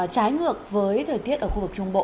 trái ngược với thời tiết ở khu vực trung bộ